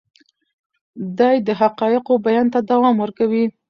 دی د حقایقو بیان ته دوام ورکوي.